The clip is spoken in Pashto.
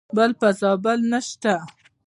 بل په زابل نشته .